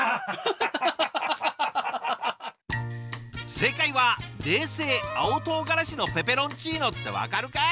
正解は「冷製青唐辛子のペペロンチーノ」って分かるかい！